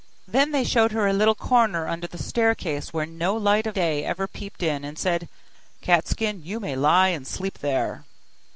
Then they showed her a little corner under the staircase, where no light of day ever peeped in, and said, 'Cat skin, you may lie and sleep there.